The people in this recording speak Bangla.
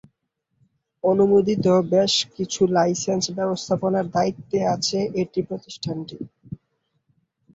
অনুমোদিত বেশ কিছু লাইসেন্স ব্যবস্থাপনার দায়িত্বে আছে এটি প্রতিষ্ঠানটি।